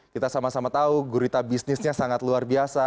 kita sama sama tahu gurita bisnisnya sangat luar biasa